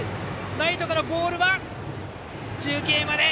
ライトからのボールは中継まで。